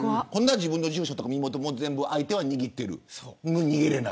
自分の住所も身元も、全部相手は握っていて逃げられない。